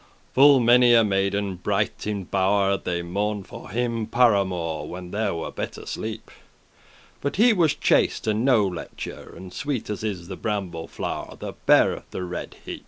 Full many a maiden bright in bow'r They mourned for him par amour, When them were better sleep; But he was chaste, and no lechour, And sweet as is the bramble flow'r That beareth the red heep.